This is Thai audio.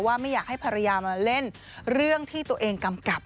ไม่อยากให้ภรรยามาเล่นเรื่องที่ตัวเองกำกับ